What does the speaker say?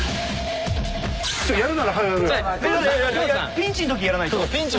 ピンチのときやらないと。